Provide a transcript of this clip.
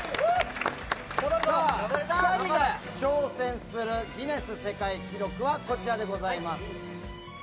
２人が挑戦するギネス世界記録はこちらでございます。